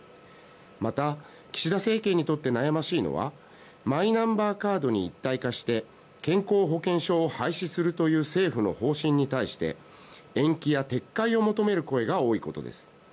また、岸田政権にとって悩ましいのはマイナンバーカードに一体化して健康保険証を廃止するという政府の方針に対して延期や撤回を求める声が多いことです。